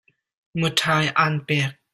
Muṭhai aan pek.